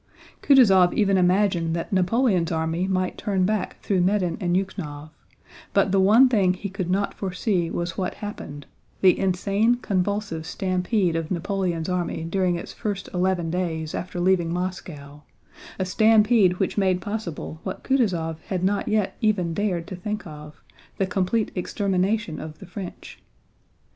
Kutúzov even imagined that Napoleon's army might turn back through Medýn and Yukhnóv, but the one thing he could not foresee was what happened—the insane, convulsive stampede of Napoleon's army during its first eleven days after leaving Moscow: a stampede which made possible what Kutúzov had not yet even dared to think of—the complete extermination of the French.